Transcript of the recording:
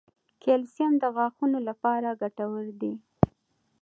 کلسیم د غاښونو لپاره ګټور دی